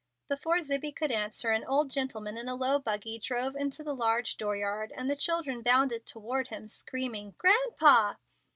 Before Zibbie could answer, an old gentleman in a low buggy drove into the large door yard, and the children bounded toward him, screaming, "Grandpa."